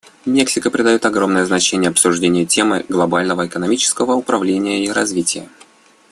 Мексика придает огромное значение обсуждению темы глобального экономического управления и развития.